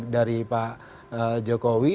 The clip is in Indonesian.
dari pak jokowi